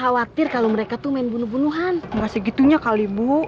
khawatir kalau mereka tuh main bunuh bunuhan gak segitunya kali bu